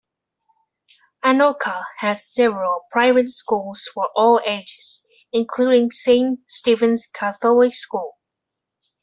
Anoka has several private schools for all ages, including St. Stephens Catholic School.